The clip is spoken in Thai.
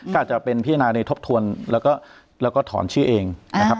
ก็อาจจะเป็นพิจารณาในทบทวนแล้วก็ถอนชื่อเองนะครับ